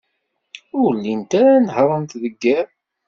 Ur llint ara nehhṛent deg yiḍ.